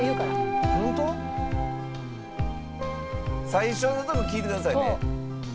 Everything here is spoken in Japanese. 最初のとこ聴いてくださいね。